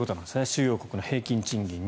主要国の平均賃金